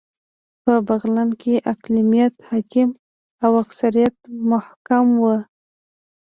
په بغلان کې اقلیت حاکم او اکثریت محکوم و